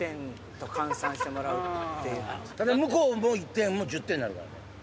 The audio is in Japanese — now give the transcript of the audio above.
ただ向こうも１点が１０点になるからね。